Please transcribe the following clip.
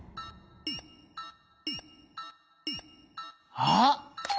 あっ！